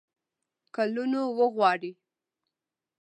کلونو وغواړي.